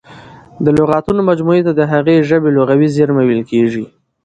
د لغاتونو مجموعې ته د هغې ژبي لغوي زېرمه ویل کیږي.